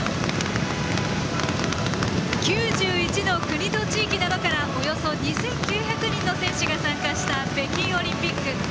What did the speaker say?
９１の国と地域などからおよそ２９００人の選手が参加した北京オリンピック。